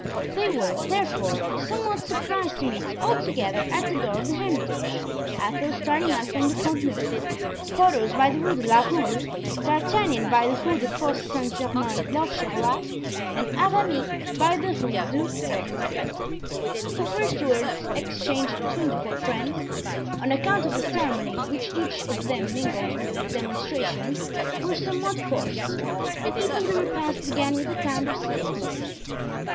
They were, therefore, somewhat surprised to meet altogether at the door of the Hermitage, Athos starting out from the Pont Neuf, Porthos by the Rue de la Roule, D'Artagnan by the Rue des Fosse Saint Germain l'Auxerrois, and Aramis by the Rue de Bethisy. The first words exchanged between the four friends, on account of the ceremony which each of them mingled with their demonstration, were somewhat forced and even the repast began with a kind of stiffness.